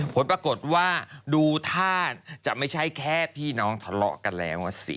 ผลปรากฏว่าดูท่าจะไม่ใช่แค่พี่น้องทะเลาะกันแล้วสิ